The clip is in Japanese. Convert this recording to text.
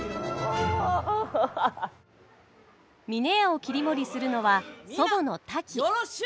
峰屋を切り盛りするのは祖母のタキ。